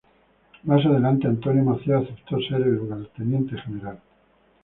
Más adelante, Antonio Maceo acepto ser el Lugarteniente General.